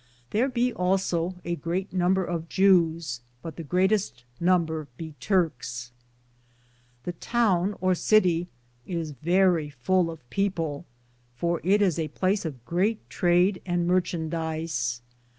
There be also a greate number of Jewes, but the greateste nomber be Turkes. The toune or cittie is verrie full of people, for it is a place of great trad and marchandise.